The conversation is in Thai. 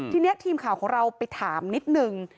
ทีนี้ทีมข่าวของเราไปถามนิดนึง